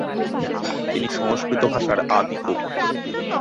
তিনি সংস্কৃত ভাষার আদি কবি।